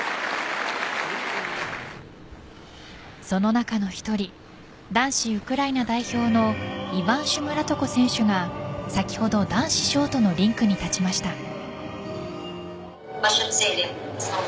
その中の１人男子ウクライナ代表のイヴァン・シュムラトコ選手が先ほど、男子ショートのリンクに立ちました。